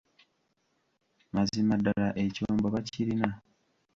Mazima ddala ekyombo bakirina.